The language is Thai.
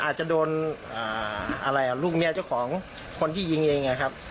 อาจจะโดนลูกแม่เจ้าของคนที่ยิงเอง